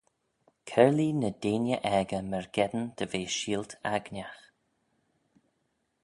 Coyrlee ny deiney aegey myrgeddin dy ve sheelt-aignagh.